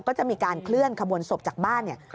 ก็จะมีการเคลื่อนขบวนศพจากบ้านเนี่ย